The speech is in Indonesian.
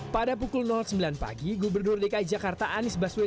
pada pukul sembilan pagi gubernur dki jakarta anies baswedan